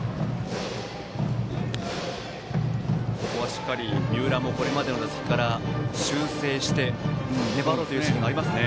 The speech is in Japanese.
しっかり三浦もこれまでの打席から修正して粘ろうという意識がありますね。